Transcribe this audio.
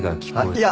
いや！